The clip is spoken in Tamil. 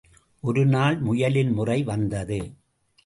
ஒருநாள் முயலின் முறை வந்தது.